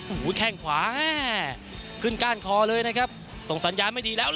โอ้โหแข้งขวาขึ้นก้านคอเลยนะครับส่งสัญญาณไม่ดีแล้ว